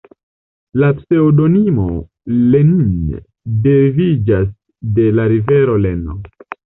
La pseŭdonimo Lenin deriviĝas de la rivero Leno.